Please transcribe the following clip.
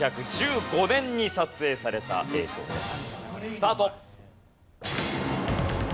スタート。